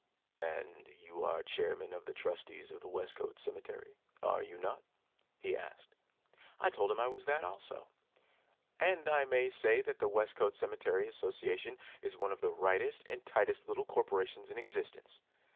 "And you are chairman of the trustees of the Westcote Cemetery, are you not?" he asked. I told him I was that also. And I may say that the Westcote Cemetery Association is one of the rightest and tightest little corporations in existence.